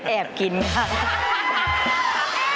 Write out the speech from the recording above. แอบกินครับ